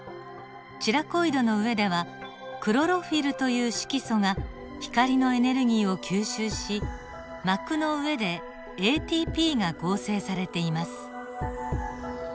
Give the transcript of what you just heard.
チラコイドの上ではクロロフィルという色素が光のエネルギーを吸収し膜の上でＡＴＰが合成されています。